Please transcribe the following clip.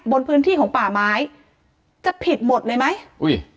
บนพื้นที่ของป่าไม้จะผิดหมดเลยไหมอุ้ย